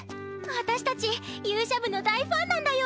私たち勇者部の大ファンなんだよ。